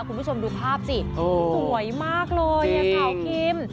คุณผู้ชมดูภาพสิสวยมากเลยสาวคิม